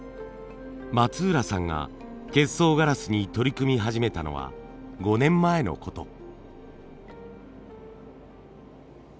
松浦さんが結霜ガラスに取り組み始めたのは５年前のこと。